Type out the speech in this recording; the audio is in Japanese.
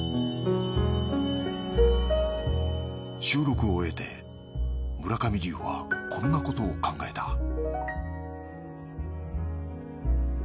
収録を終えて村上龍はこんなことを考えた